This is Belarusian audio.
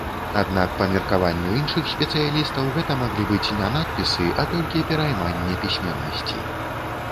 Аднак, па меркаванню іншых спецыялістаў, гэта маглі быць не надпісы, а толькі перайманне пісьменнасці.